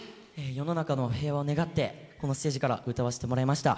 世の中の平和を願ってこのステージから歌わせてもらいました。